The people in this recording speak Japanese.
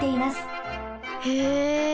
へえ。